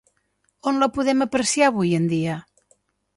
On la podem apreciar avui en dia?